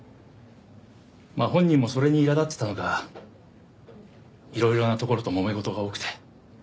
まあ本人もそれにいら立ってたのかいろいろな所ともめ事が多くて。